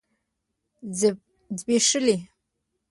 ځبيښلي